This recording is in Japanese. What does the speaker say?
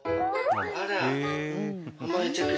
あら。